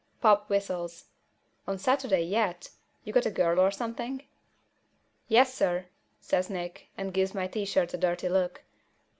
Pop whistles. "On Saturday, yet! You got a girl or something?" "Yessir!" says Nick, and he gives my T shirt a dirty look.